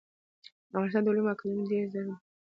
د افغانستان د علومو اکاډمۍ ډېر زاړه متون په تحقيقي ډول چاپ کړل.